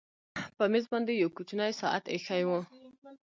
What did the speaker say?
په مېز باندې یو کوچنی ساعت ایښی و